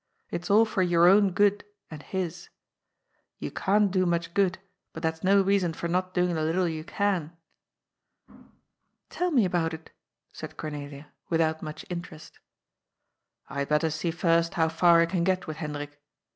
It's all for your own good and his. You can't do much good, but that's no reason for not doing the little you can." " Tell me about it," said Cornelia, without much in terest. ^' I had better see first how far I can get with Hendrik.